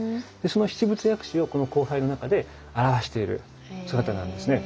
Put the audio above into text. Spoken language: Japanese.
その七仏薬師をこの光背の中で表している姿なんですね。